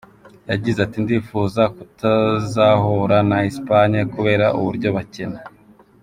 Yagize ati “Ndifuza kutazahura na Espagne kubera uburyo bakina.